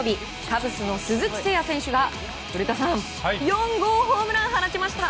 カブスの鈴木誠也選手が古田さん４号ホームランを放ちました。